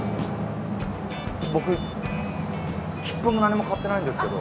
僕切符も何も買ってないんですけど。